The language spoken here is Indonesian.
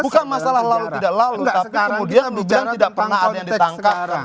bukan masalah lalu tidak lalu tapi kemudian hujan tidak pernah ada yang ditangkap